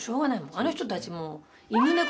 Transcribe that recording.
あの人たち。